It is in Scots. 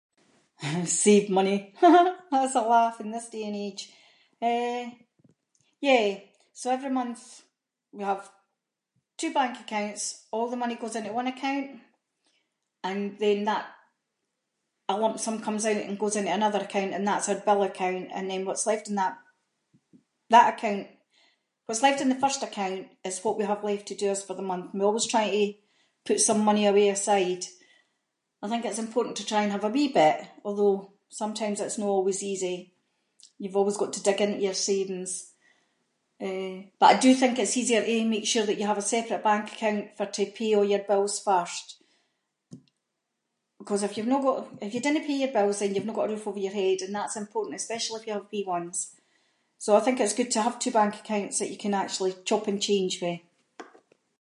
Save money that’s a laugh in this day and age. Eh, yeah, so every month we have two bank accounts a’ the money goes into one account, and then that- a lump sum comes out and goes into another account and that’s our bill account, and then what’s left in that- that account- what’s left in the first account, is what we have left to do us for the month, and we always try to put some money away aside. I think it’s important to try and have a wee bit, although sometimes it’s no always easy. You’ve always got to dig into your savings, eh, but I do think it’s easier to make sure you have a separate bank account for- to pay all your bills first, ‘cause if you’ve no got- if you dinnae pay your bills, then you’ve no got a roof over your head, and that’s important, especially if you have wee ones. So, I think it’s good to have two bank accounts, that you can actually chop and change with.